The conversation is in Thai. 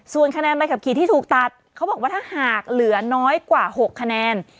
ส่วนคะแนนใบขับขี่ที่ถูกตัดเขาบอกว่าถ้าหากเหลือน้อยกว่า๖คะแนน